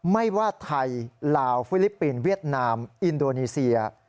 ไม่ว่าไทยลาวฟิลิปปินส์เวียดนามอินโดนีเซีย